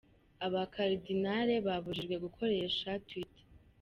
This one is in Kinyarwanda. Abakaridinari babujijwe gukoresha Twitter